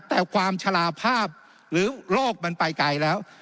แต่ความชะลาภาพหรือโรคมันไปไกลแล้ว